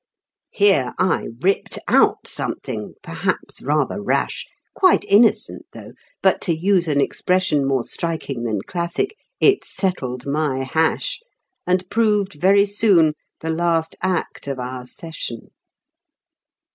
Here I ripped out something, perhaps rather rash, Quite innocent, though; but to use an expression More striking than classic, it "settled my hash," And proved very soon the last act of our session.